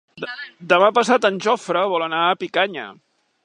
Demà passat en Jofre vol anar a Picanya.